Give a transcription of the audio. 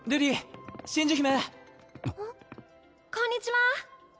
こんにちは。